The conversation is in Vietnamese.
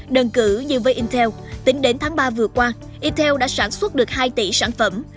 đơn cử như với intel tính đến tháng ba vừa qua intel đã sản xuất được hai tỷ sản phẩm